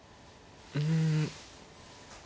うん。